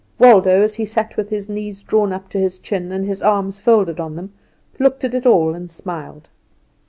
Waldo, as he sat with his knees drawn up to his chin and his arms folded on them, looked at it all and smiled.